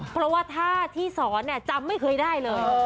เพราะว่าถ้าที่สอนจำไม่เคยได้เลย